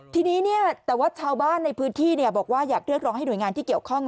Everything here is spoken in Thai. ทีนี้แต่ว่าชาวบ้านในพื้นที่บอกว่าอยากเรียกร้องให้หน่วยงานที่เกี่ยวข้อง